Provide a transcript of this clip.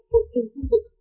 của từng khu vực